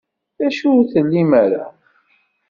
D acu ur tlim ara?